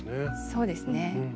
そうですね。